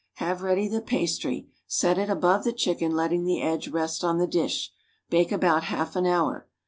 Have ready the pastry, set it above the chicken, letting the edge rest on the dish. Bake about half an hour.